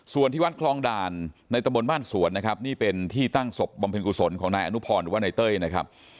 ส่วนที่วัดคลองด่านในตะบนบ้านสวนนะครับนี่เป็นที่ตั้งศพบำเพ็ญกุศลของนายอนุพรหรือว่านายเต้ยนะครับ